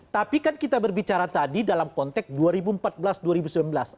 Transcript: tapi kan kita berbicara tadi dalam konteks dua ribu empat belas dua ribu sembilan belas